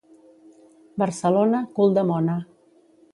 Barcelona, cul de mona.